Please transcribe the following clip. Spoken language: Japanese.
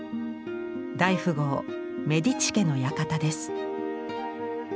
大富豪メディチ家の館です。